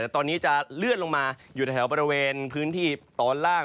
ตอนนี้จะเลื่อนลงมาอยู่ในแถวบริเวณพื้นที่ตอนล่าง